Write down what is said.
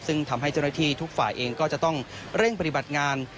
ซึ่งทำให้เจ้าหน้าที่ทุกฝ่ายเองก็จะต้องเร่งปฏิบัติงาน